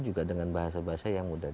juga dengan bahasa bahasa yang mudah